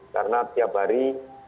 karena tiap hari